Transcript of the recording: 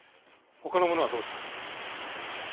ほかの者はどうした？